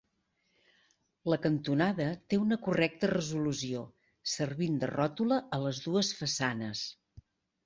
La cantonada té una correcta resolució, servint de ròtula a les dues façanes.